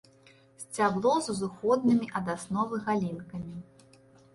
Сцябло з узыходнымі ад асновы галінкамі.